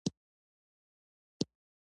که له شخړې او ګواښونو ډک چاپېریال کې کار کوئ.